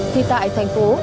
thì tại thành phố